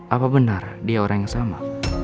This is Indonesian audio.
apa benar dia orang yang sama